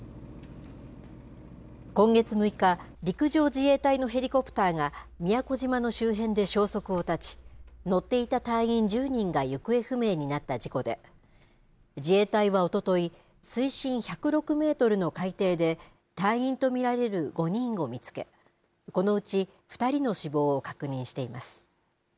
今月６日、陸上自衛隊のヘリコプターが宮古島の周辺で消息を絶ち、乗っていた隊員１０人が行方不明になった事故で、自衛隊はおととい、水深１０６メートルの海底で、隊員と見られる５人を見つけ、このうち２人の死亡を確認しています。